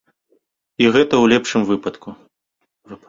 І гэта ў лепшым выпадку.